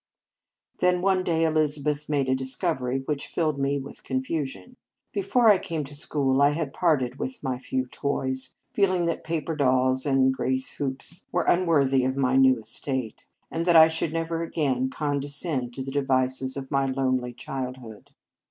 Then one day Elizabeth made a dis covery which filled me with confu sion. Before I came to school, I had parted with my few toys, feeling that paper dolls and grace hoops were un 170 Marriage Vows worthy of my new estate, and that I should never again condescend to the devices of my lonely childhood.